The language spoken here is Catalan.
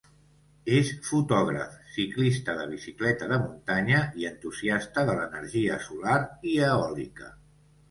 És fotògraf, ciclista de bicicleta de muntanya i entusiasta de l'energia solar i eòlica.